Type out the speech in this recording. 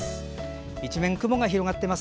一面、雲が広がっています。